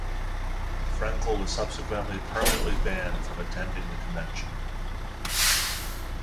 Frenkel was subsequently permanently banned from attending the convention.